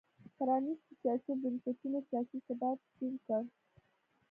پرانیستو سیاسي بنسټونو سیاسي ثبات ټینګ کړ.